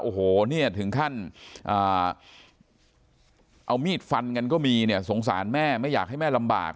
โอ้โหเนี่ยถึงขั้นเอามีดฟันกันก็มีเนี่ยสงสารแม่ไม่อยากให้แม่ลำบาก